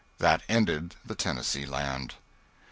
That ended the Tennessee Land.